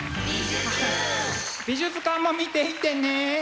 美術館も見ていってね！